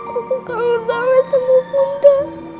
aku akan bertanggung jawab sama bunda